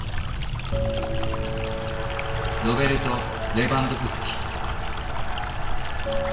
ロベルト・レバンドフスキ。